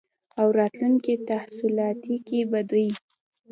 او راتلونکې تحولاتو کې به دوی